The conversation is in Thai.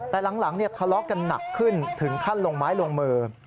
แต่หลังทะเลาะกันหนักขึ้นถึงขั้นลงไม้ลงมือ